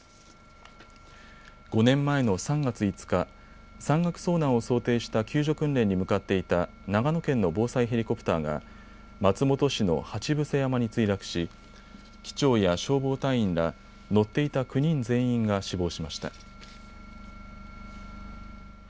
５年前の３月５日、山岳遭難を想定した救助訓練に向かっていた長野県の防災ヘリコプターが松本市の鉢伏山に墜落し機長や消防隊員ら乗っていた９人全員が死亡しました。